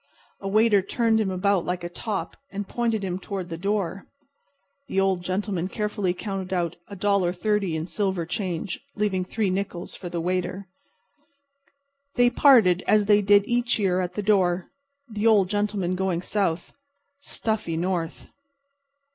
A waiter turned him about like a top, and pointed him toward the door. The Old Gentleman carefully counted out $1.30 in silver change, leaving three nickels for the waiter. They parted as they did each year at the door, the Old Gentleman going south, Stuffy north.